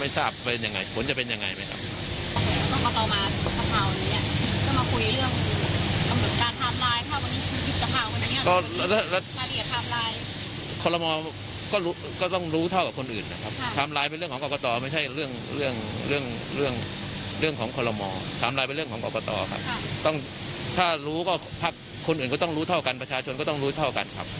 ถ้ารู้ก็พักคนอื่นก็ต้องรู้เท่ากันประชาชนก็ต้องรู้เท่ากันครับ